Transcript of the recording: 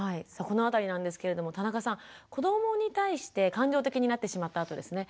この辺りなんですけれども田中さん子どもに対して感情的になってしまったあとですね